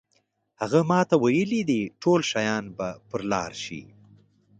هغه ماته ویلي دي ټول شیان به پر لار شي.